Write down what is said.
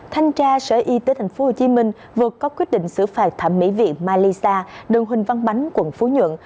thanh tra sở y tế tp hcm vừa có quyết định xử phạt thẩm mỹ viện malisa đường huỳnh văn bánh quận phú nhuận